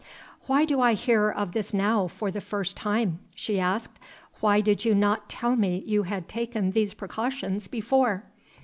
"Why do I hear of this now for the first time?" she asked. "Why did you not tell me you had taken these precautions before?"